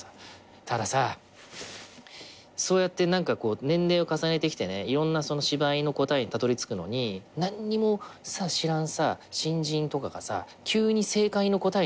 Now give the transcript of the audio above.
たださそうやって年齢を重ねてきてねいろんな芝居の答えにたどり着くのに何にも知らん新人とかがさ急に正解の答えにたどり着いたりするじゃん。